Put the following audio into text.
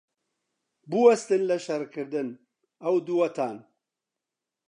بوەستن لە شەڕکردن، ئەو دووەتان!